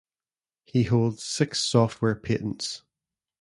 He holds six software patents.